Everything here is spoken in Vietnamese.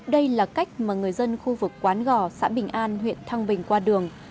đây là cách mà người dân khu vực quán gò xã bình an huyện thăng bình qua đường